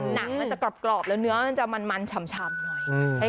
หนังมันจะกรอบแล้วเนื้อมันจะมันฉ่ำหน่อย